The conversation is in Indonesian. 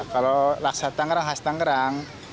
kalau laksa tangerang khas tangerang